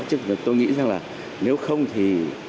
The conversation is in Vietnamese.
chứ tôi nghĩ rằng là nếu không thì